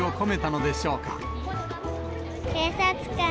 警察官。